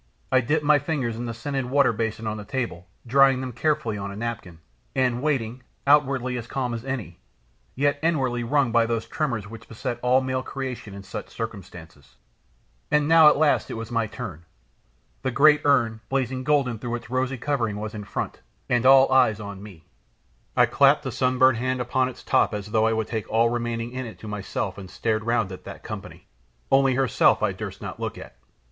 I dipped my fingers in the scented water basin on the table, drying them carefully on a napkin, and waiting, outwardly as calm as any, yet inwardly wrung by those tremors which beset all male creation in such circumstances. And now at last it was my turn. The great urn, blazing golden, through its rosy covering, was in front, and all eyes on me. I clapped a sunburnt hand upon its top as though I would take all remaining in it to myself and stared round at that company only her herself I durst not look at!